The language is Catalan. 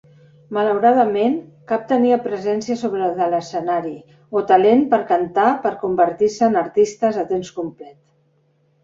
Malauradament, cap tenia presència sobre de l'escenari o talent per cantar per convertir-se en artistes a temps complet.